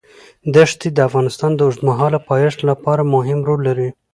دښتې د افغانستان د اوږدمهاله پایښت لپاره مهم رول لري.